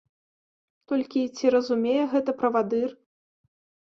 Толькі ці разумее гэта правадыр?